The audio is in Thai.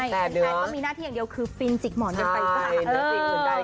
แต่แผนก็มีหน้าที่อย่างเดียวคือฟิลจิกหมอนเต็มไปก่อน